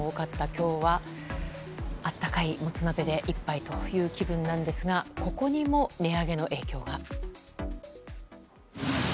今日は温かいもつ鍋で一杯という気分なんですがここにも値上げの影響が。